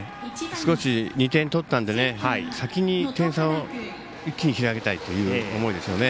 少し２点取ったので先に点差を一気に広げたいという思いでしょうね。